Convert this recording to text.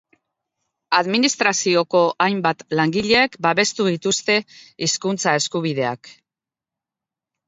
Administrazioko hainbat langilek babestu dituzte hizkuntza eskubideak.